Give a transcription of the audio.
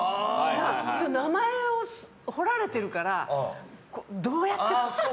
名前を彫られてるからどうやっても。